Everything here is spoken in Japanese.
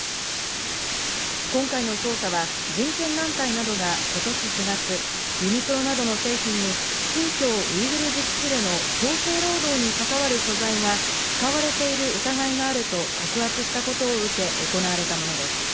今回の捜査は人権団体などが今年４月、ユニクロなどの製品に新疆ウイグル自治区での強制労働に関わる素材が使われている疑いがあると告発したことを受け行われたものです。